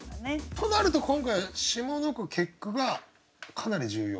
となると今回は下の句結句がかなり重要。